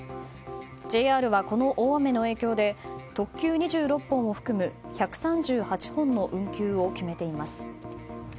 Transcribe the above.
ＪＲはこの大雨の影響で特急２６本を含む１３８本の運休を決めています。